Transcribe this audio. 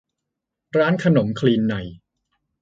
ร้านขนมคลีนใน